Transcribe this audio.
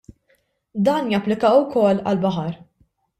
Dan japplika wkoll għall-baħar.